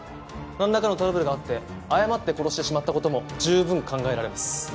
何らかのトラブルがあってあやまって殺してしまったことも十分考えられます。